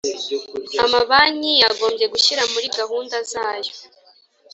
Amabanki yagombye gushyira muri gahunda zayo